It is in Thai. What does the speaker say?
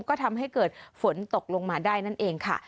ก็ทำให้เกิดฝนตกลงมาได้นั่นเองค่ะ